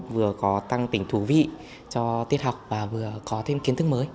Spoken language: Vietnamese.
vừa có tăng tỉnh thú vị cho tiết học và vừa có thêm kiến thức mới